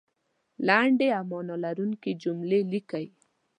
لنډې او معنا لرونکې جملې لیکئ